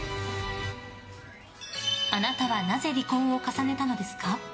あなたはなぜ離婚を重ねたのですか？